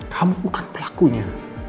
kamu bukan pelakunya